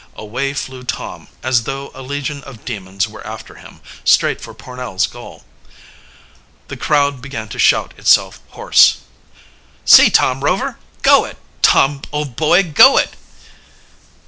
Away flew Tom, as though a legion of demons were after him, straight for Pornell's goal. The crowd began to shout itself hoarse. "See Tom Rover! Go it, Tom, old boy, go it!"